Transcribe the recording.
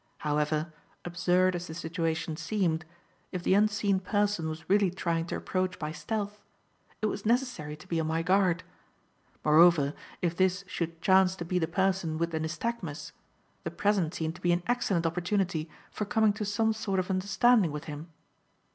However, absurd as the situation seemed if the unseen person was really trying to approach by stealth it was necessary to be on my guard. Moreover, if this should chance to be the person with the nystagmus, the present seemed to be an excellent opportunity for coming to some sort of understanding with him.